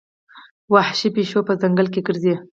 وحشي پیشو په ځنګل کې ګرځي.